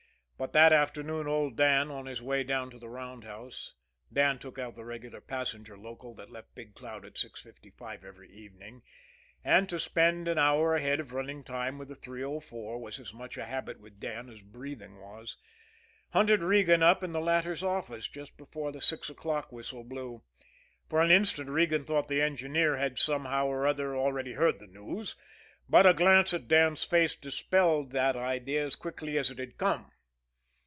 But that afternoon old Dan, on his way down to the roundhouse Dan took out the regular passenger local that left Big Cloud at 6.55 every evening, and to spend an hour ahead of running time with the 304 was as much a habit with Dan as breathing was hunted Regan up in the latter's office just before the six o'clock whistle blew. For an instant Regan thought the engineer had somehow or other already heard the news, but a glance at Dan's face dispelled that idea as quickly as it had come.